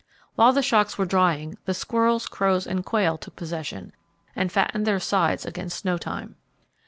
While the shocks were drying, the squirrels, crows, and quail took possession, and fattened their sides against snow time.